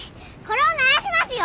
これを鳴らしますよ！